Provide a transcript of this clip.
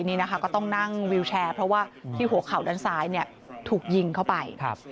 นี่นะคะก็ต้องนั่งวิวแชร์เพราะว่าที่หัวเข่าด้านซ้ายถูกยิงเข้าไป